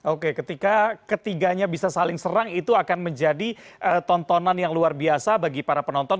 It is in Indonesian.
oke ketika ketiganya bisa saling serang itu akan menjadi tontonan yang luar biasa bagi para penonton